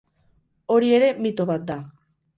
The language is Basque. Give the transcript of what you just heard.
Hori ere mito bat da.